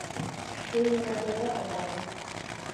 Winy omedore e dala.